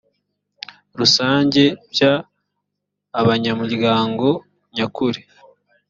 rusange bya abanyamuryango nyakuri